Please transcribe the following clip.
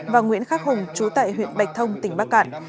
và nguyễn khắc hùng chú tại huyện bạch thông tỉnh bắc cạn